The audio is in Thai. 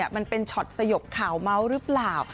มันเป็นช็อตสยบข่าวเมาส์หรือเปล่า